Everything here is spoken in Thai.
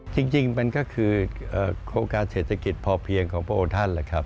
จริงมันก็คือโครงการเศรษฐกิจพอเพียงของพ่อท่าน